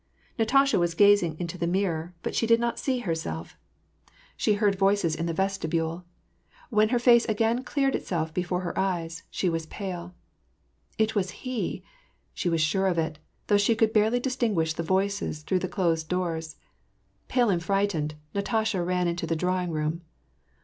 Natasha was gazing into the mirror^ bat she did not see her 230 WAR AND PEACE. self. She heard voices in the vestibule. When her face again cleared itself before her eyes, she was pale. It was he / She was sure of it, though she could barelj distinguish the voices through the closed doors. Pale and frightened, Natasha ran into the drawing room.